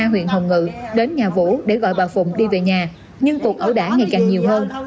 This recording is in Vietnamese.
vũ đến huyện hồng ngự đến nhà vũ để gọi bà phụng đi về nhà nhưng cuộc ẩu đả ngày càng nhiều hơn